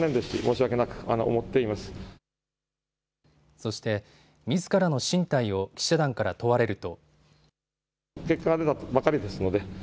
そしてみずからの進退を記者団から問われると。